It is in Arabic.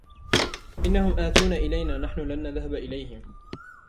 إنهم أتون إلينا, نحن لن نذهب إليهم.